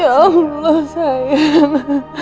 ya allah sayang